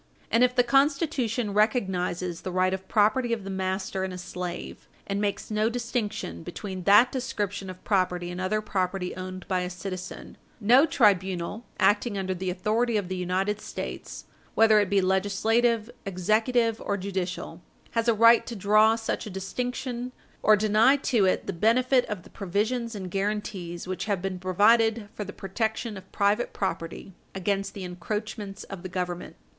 And if the Constitution recognises the right of property of the master in a slave, and makes no distinction between that description of property and other property owned by a citizen, no tribunal, acting under the authority of the United States, whether it be legislative, executive, or judicial, has a right to draw such a distinction or deny to it the benefit of the provisions and guarantees which have been provided for the protection of private property against the encroachments of the Government.